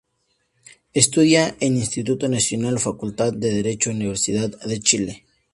Estudia en Instituto Nacional, Facultad de Derecho, Universidad de Chile.